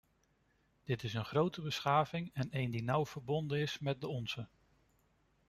Dit een grote beschaving en een die nauw verbonden is met de onze.